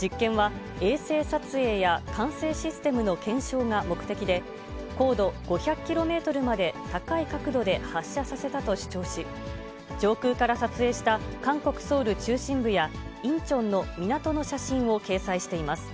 実験は、衛星撮影や管制システムの検証が目的で、高度５００キロメートルまで高い角度で発射させたと主張し、上空から撮影した韓国・ソウル中心部や、インチョンの港の写真を掲載しています。